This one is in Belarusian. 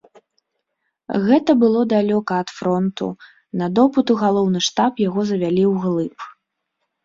Гэта было далёка ад фронту, на допыт у галоўны штаб яго завялі ўглыб.